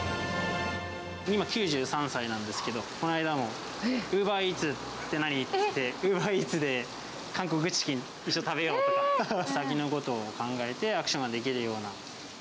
今、９３歳なんですけれども、この間もウーバーイーツって何？って、ウーバーイーツで韓国チキン、一緒に食べようとか、先のことを考えて、アクションができるような。